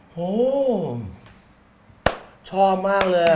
โหชอบมากเลย